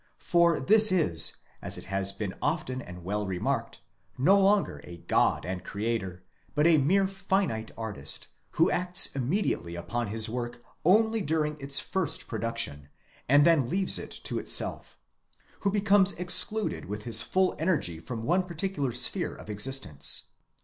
For this is, as it has been often and well remarked, no longer a God and Creator, but a mere finite Artist, who acts immediately upon his work only during its first production, and then leaves it to itself; who becomes excluded with his full energy from one particular sphere of existence.